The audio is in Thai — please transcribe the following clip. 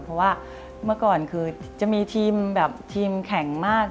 เขามาก่อนคือจะมีทีมแบบทีมแข็งมาก